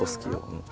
うん。